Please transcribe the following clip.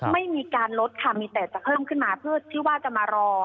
ไม่มีการลดค่ะมีแต่จะเพิ่มขึ้นมาเพื่อที่ว่าจะมารอ